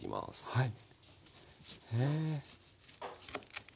はい。